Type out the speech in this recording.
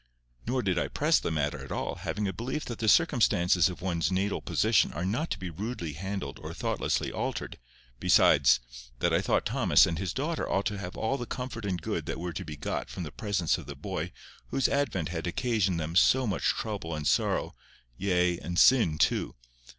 Nor did I press the matter at all, having a belief that the circumstances of one's natal position are not to be rudely handled or thoughtlessly altered, besides that I thought Thomas and his daughter ought to have all the comfort and good that were to be got from the presence of the boy whose advent had occasioned them so much trouble and sorrow, yea, and sin too.